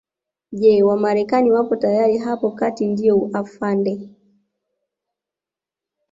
Je Wamarekani wapo tayari hapo kati ndio afande